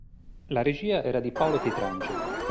La regia era di Paolo Pietrangeli.